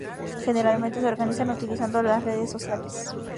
Generalmente se organizan utilizando las redes sociales.